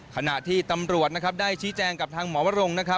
ขณะที่ตำรวจได้ชี้แจงกับทางหมอวรงค์